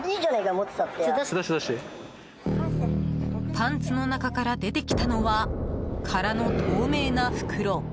パンツの中から出てきたのは空の透明な袋。